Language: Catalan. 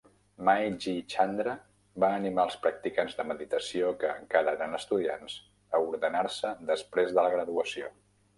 Mae Ji Chandra va animar els practicants de meditació que encara eren estudiants a ordenar-se després de la graduació.